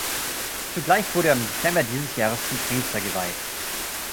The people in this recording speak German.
Zugleich wurde er im Dezember dieses Jahres zum Priester geweiht.